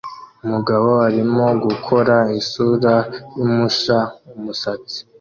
Umugabo arimo gukora isura yumisha umusatsi